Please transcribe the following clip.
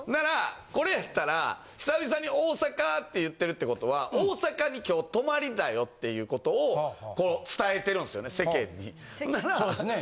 これやったら、久々に大阪ーって言ってるってことは、大阪にきょう泊りだよっていうことを伝えてるんですよね、世間に。